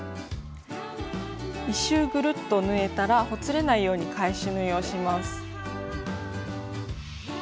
１周ぐるっと縫えたらほつれないように返し縫いをします。